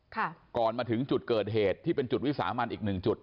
ก่อนมาถึงจุดเกิดเหตุที่เป็นจุดวิสามันอีกหนึ่งจุด